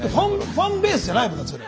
ファンベースじゃないもんだってそれ。